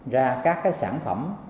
ra các sản phẩm